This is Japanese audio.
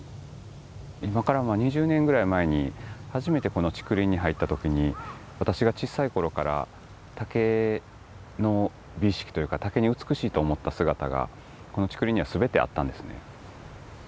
今から２０年ぐらい前に初めてこの竹林に入った時に私が小さい頃から竹の美意識というか竹に美しいと思った姿がこの竹林には全てあったんですね。